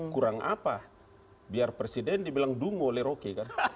kurang apa biar presiden dibilang dungu oleh roke